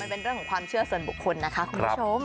เป็นเรื่องของความเชื่อส่วนบุคคลนะคะคุณผู้ชม